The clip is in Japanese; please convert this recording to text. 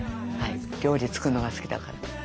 料理作るのが好きだから。